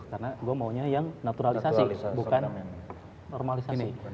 karena gue maunya yang naturalisasi bukan normalisasi